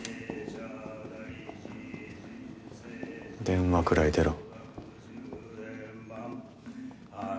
電話くらい出ろ。